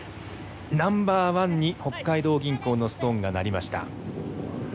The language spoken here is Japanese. ＮＯ．１に北海道銀行のストーンがなりました。